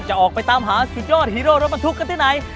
จะออกไปตามหาสุดยอดฮีโร่รถบรรทุกกันที่ไหน